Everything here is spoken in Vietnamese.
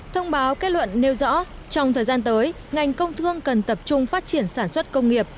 thông báo kết luận nêu rõ trong thời gian tới ngành công thương cần tập trung phát triển sản xuất công nghiệp